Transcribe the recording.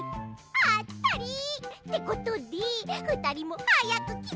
あったり！ってことでふたりもはやくきなよ！